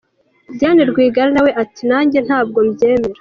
Diane Rwigara nawe ati “nanjye ntabwo mbyemera.”